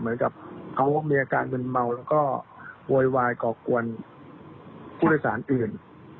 เหมือนกับเขามีอาการมึนเมาแล้วก็โวยวายก่อกวนผู้โดยสารอื่น